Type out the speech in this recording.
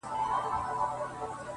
o او خپل سر يې د لينگو پر آمسا کښېښود،